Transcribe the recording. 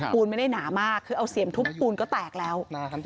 ปูนไม่ได้หนามากคือเอาเสียงทุบปูนก็แตกแล้ว